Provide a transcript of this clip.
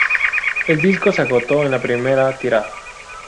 El disco se agotó en la primera tirada.